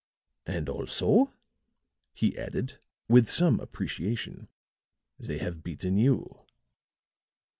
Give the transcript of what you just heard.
"And also," he added with some appreciation, "they have beaten you."